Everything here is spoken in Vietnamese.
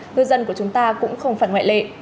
ngư dân của chúng ta cũng không phải ngoại lệ